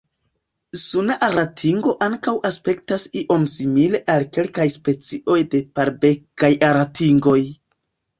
Suna aratingo ankaŭ aspektas iom simile al kelkaj specioj de palbekaj aratingoj.